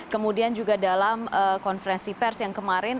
kemudian juga dalam konferensi pers yang kemarin